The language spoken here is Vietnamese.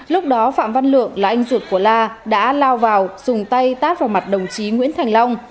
lúc đó phạm văn lượng là anh ruột của la đã lao vào dùng tay tát vào mặt đồng chí nguyễn thành long